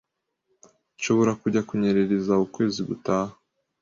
Nshobora kujya kunyerera i Zao ukwezi gutaha.